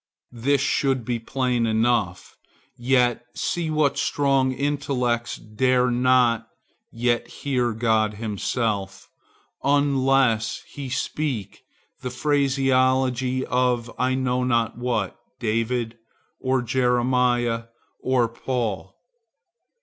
This should be plain enough. Yet see what strong intellects dare not yet hear God himself unless he speak the phraseology of I know not what David, or Jeremiah, or Paul.